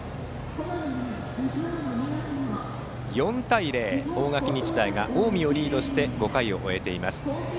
４対０、大垣日大が近江をリードして５回を終えています。